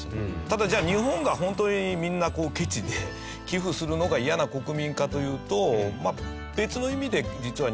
ただじゃあ日本がホントにみんなケチで寄付するのが嫌な国民かというと。